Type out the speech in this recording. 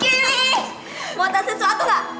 kimi mau tanya sesuatu gak